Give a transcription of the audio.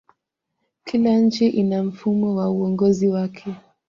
kila nchi ina mfumo wa uongozi wake